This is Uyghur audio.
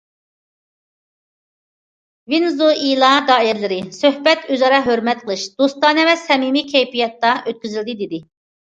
ۋېنېزۇئېلا دائىرىلىرى: سۆھبەت ئۆزئارا ھۆرمەت قىلىش، دوستانە ۋە سەمىمىي كەيپىياتتا ئۆتكۈزۈلدى، دېدى.